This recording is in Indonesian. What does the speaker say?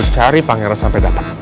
kamu cari pangeran sampai dapat